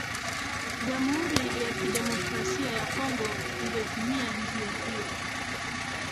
Jamhuri ya kidemokrasia ya Kongo ingetumia njia hiyo